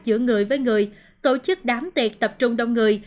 giữa người với người tổ chức đám tiệc tập trung đông người